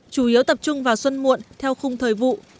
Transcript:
chủ yếu tập trung vào xuân muộn theo khung thời vụ